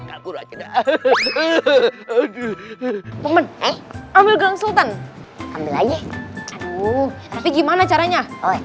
ambil ambil aja gimana caranya